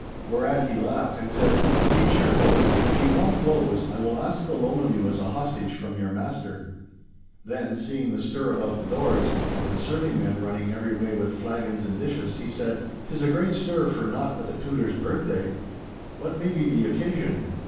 Whereat he laughed, and said, 'Be cheerful, and if ye want blows, I will ask the loan of you as a hostage from your master.' Then, seeing the stir about the doors, and the serving men running every way with flagons and dishes, he said, ''Tis a great stir for naught but the Tutor's birthday. What may be the occasion?